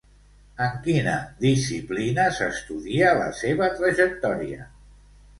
En quina disciplina s'estudia la seva trajectòria?